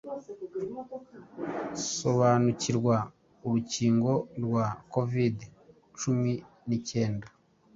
Sobanukirwa urukingo rwa Covid- cumi nikenda